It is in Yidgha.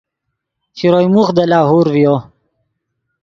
شروئے موخ دے لاہور ڤیو